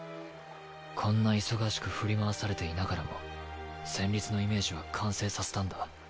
こんな忙しく振り回されていながらも旋律のイメージは完成させたんだ。